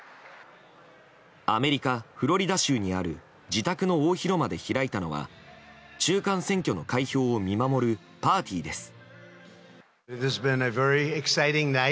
アメリカ・フロリダ州にある自宅の大広間で開いたのは中間選挙の開票を見守るパーティーです。